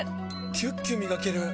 キュッキュ磨ける！